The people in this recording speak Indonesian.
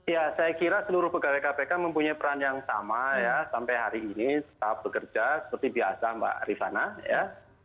ya saya kira seluruh pegawai kpk mempunyai peran yang sama ya sampai hari ini tetap bekerja seperti biasa mbak rifana ya